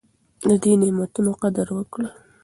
د دې نعمتونو قدر وکړئ.